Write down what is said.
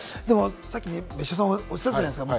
さっき別所さんがおっしゃったじゃないですか。